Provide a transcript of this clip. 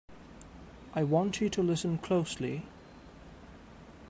I want you to listen closely!